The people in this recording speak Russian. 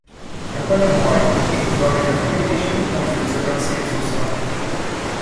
Мы понимаем, что данный документ еще не пользуется консенсусом.